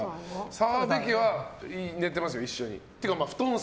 澤部家は寝てますよ、一緒に。